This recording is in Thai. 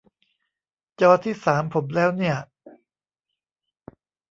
จอที่สามผมแล้วเนี่ย